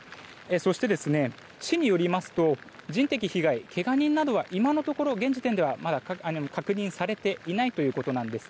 そして、市によりますと人的被害けが人などは今のところ現時点で確認されていないということなんです。